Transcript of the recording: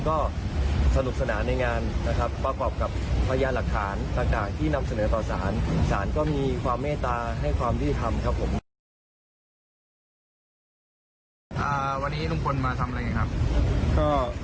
ก็จะได้ฟังสารไพรศวรแล้วก็